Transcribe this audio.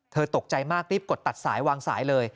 ตกใจมากรีบกดตัดสายวางสายเลย